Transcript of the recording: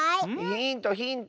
ヒントヒント！